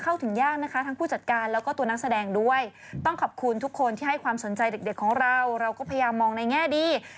ในแง่ของผู้ที่คล่ำวอดอยู่ในวงการนี้มานานถึง๗๐ปี